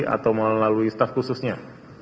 atau melalui staff khususnya